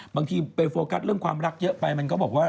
บางทีไปโฟกัสเรื่องความรักเยอะไปมันก็บอกว่า